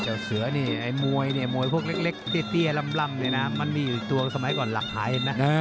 เจ้าเสือนี่ไอ้มวยเนี่ยมวยพวกเล็กเตี้ยลำเนี่ยนะมันมีอยู่ตัวสมัยก่อนหลักฐานนะ